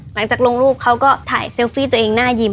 หลังจากลงรูปเขาก็ถ่ายเซลฟี่ตัวเองน่ายิ้ม